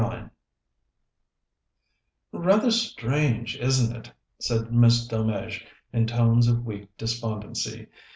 IX "Rather strange, isn't it?" said Miss Delmege in tones of weak despondency.